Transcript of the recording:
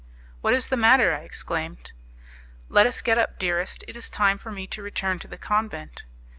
"What is the matter?" I exclaimed. "Let us get up, dearest; it is time for me to return to the convent."